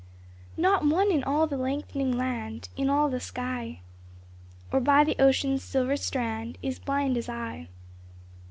Not one in all the lengthening land, In all the sky, Or by the ocean's silver strand, Is blind as I